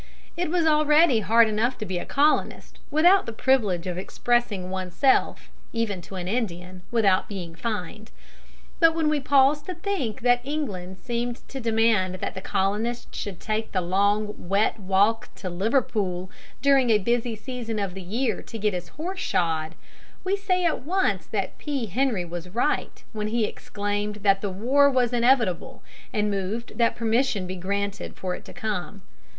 It was already hard enough to be a colonist, without the privilege of expressing one's self even to an Indian without being fined. But when we pause to think that England seemed to demand that the colonist should take the long wet walk to Liverpool during a busy season of the year to get his horse shod, we say at once that P. Henry was right when he exclaimed that the war was inevitable and moved that permission be granted for it to come.